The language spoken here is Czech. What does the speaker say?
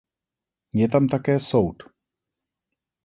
Je tam také soud.